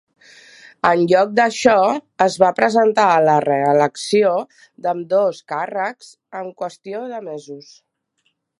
En lloc d'això, es va presentar a la reelecció d'ambdós càrrecs en qüestió de mesos.